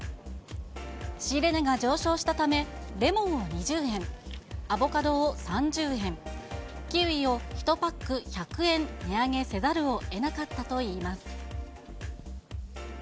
仕入れ値が上昇したため、レモンを２０円、アボカドを３０円、キウイを１パック１００円値上げせざるをえなかったといいます。